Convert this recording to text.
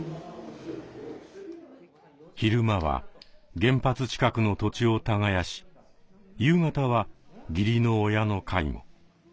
昼間は原発近くの土地を耕し夕方は義理の親の介護。